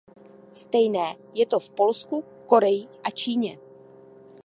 Stejné je to v Polsku, Koreji a Číně.